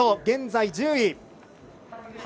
現在１０位。